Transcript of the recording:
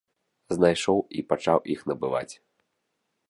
Знайшоў і пачаў іх набываць.